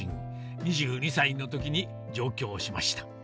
２２歳のときに上京しました。